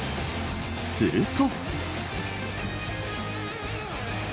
すると。